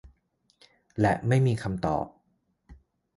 และไม่มีคำตอบ